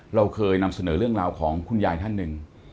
เราเคยนำเสนอเรื่องราวของคุณยายท่านหนึ่ง